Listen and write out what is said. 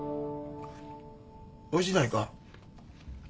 おいしないか？